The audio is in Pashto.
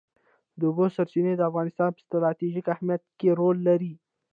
د اوبو سرچینې د افغانستان په ستراتیژیک اهمیت کې رول لري.